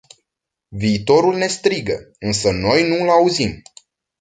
Viitorul ne strigă, însă noi nu îl auzim.